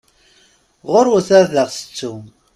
Ɣuṛwet ad aɣ-tettum!